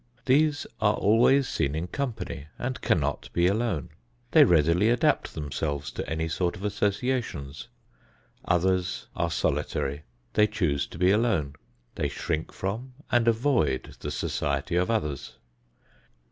These are always seen in company and cannot be alone. They readily adapt themselves to any sort of associations. Others are solitary. They choose to be alone. They shrink from and avoid the society of others.